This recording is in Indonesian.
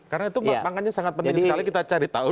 karena itu makanya sangat penting sekali kita cari tahu